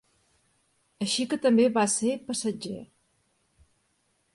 Així que també va ser passatger.